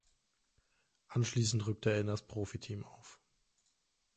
Anschließend rückte er in das Profiteam auf.